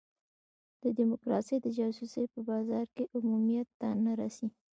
ډیموکراسي د جاسوسۍ په بازار کې عمومیت ته نه رسي.